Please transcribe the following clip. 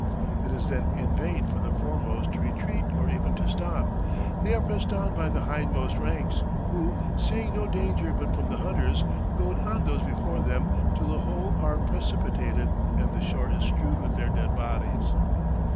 It is then in vain for the foremost to retreat or even to stop; they are pressed on by the hindmost ranks, who, seeing no danger but from the hunters, goad on those before them till the whole are precipitated and the shore is strewed with their dead bodies.